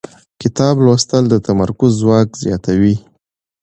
کتاب لوستل د تمرکز ځواک زیاتوي